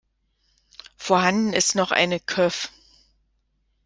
Vorhanden ist noch eine Köf.